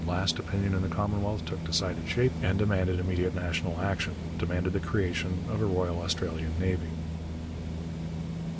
At last, opinion in the Commonwealth took decided shape and demanded immediate national action demanded the creation of a Royal Australian Navy.